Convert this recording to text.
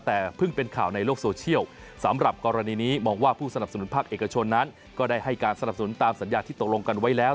แต่เพิ่งเป็นข่าวในโลกโซเชียลสำหรับกรณีนี้มองว่าผู้สนับสนุนภาคเอกชนนั้นก็ได้ให้การสนับสนุนตามสัญญาที่ตกลงกันไว้แล้ว